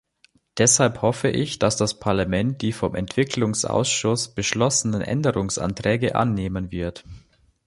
Deshalb hoffe ich, dass das Parlament die vom Entwicklungsausschuss beschlossenen Änderungsanträge annehmen wird.